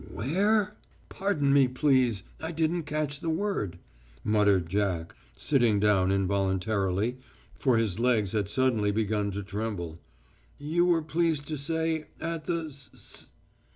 "Where? Pardon me, please, I didn't catch the word," muttered Jack, sitting down involuntarily, for his legs had suddenly begun to tremble. "You were pleased to say at the s s